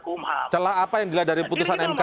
kumam calon apa yang dilihat dari putusan mk